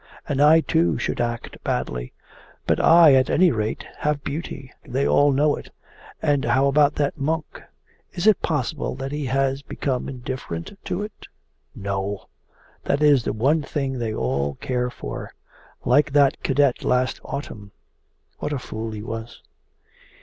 And I too should act badly. But I at any rate have beauty. They all know it. And how about that monk? Is it possible that he has become indifferent to it? No! That is the one thing they all care for like that cadet last autumn. What a fool he was!